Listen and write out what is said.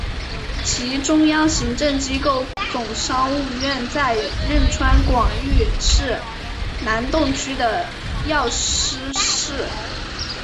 其中央行政机构总务院在仁川广域市南洞区的药师寺。